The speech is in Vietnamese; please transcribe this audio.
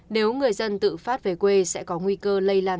nếu người dân tự phát về quê sẽ có nguy cơ lây lan